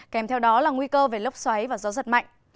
kèm theo đó là nguy cơ về lốc xoáy và gió giật mạnh